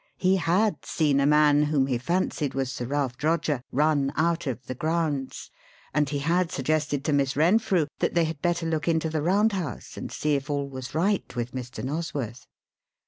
He had seen a man whom he fancied was Sir Ralph Droger run out of the grounds, and he had suggested to Miss Renfrew that they had better look into the Round House and see if all was right with Mr. Nosworth.